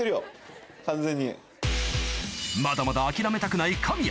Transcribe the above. まだまだ諦めたくない神谷